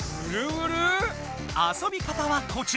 遊び方はこちら！